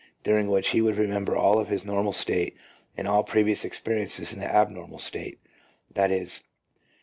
347 during which he would remember all of his normal state and all previous experiences in the abnormal state — i.e.